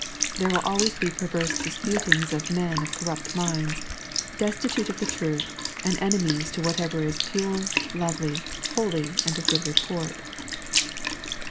There will always be perverse disputings of men of corrupt minds, destitute of the truth, and enemies to whatever is pure, lovely, holy, and of good report.